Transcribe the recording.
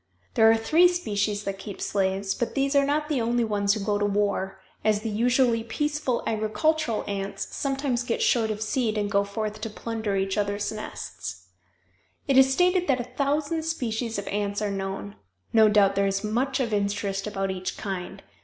There are three species that keep slaves, but these are not the only ones who go to war, as the usually peaceful agricultural ants sometimes get short of seed and go forth to plunder each other's nests. It is stated that a thousand species of ants are known. No doubt there is much of interest about each kind.